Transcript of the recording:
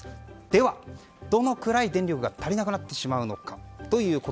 では、どのくらい電力が足りなくなってしまうのか。